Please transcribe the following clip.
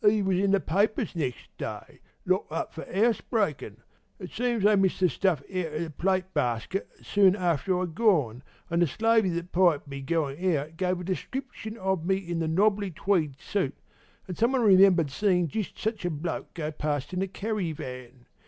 'E was in the papers next day locked up for 'ousebreakin'. It seems they missed the stuff out o' the plate basket soon after I'd gone, an' the slavey that piped me goin' out gave a description o' me in the nobby tweed suit, an' somebody remembered seein' jist such a bloke go past in a carryvan.